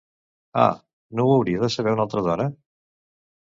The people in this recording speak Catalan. Ah... No ho hauria de saber una altra dona?